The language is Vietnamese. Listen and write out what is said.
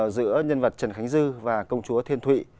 giữa nhân vật trần khánh dư và công chúa thiên thụy